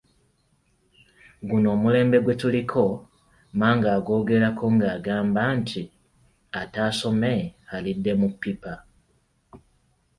Guno omulembe gwe tuliko, Mmange agwogerako ng’agamba nti, “ Ataasome alidde mu ppipa! ”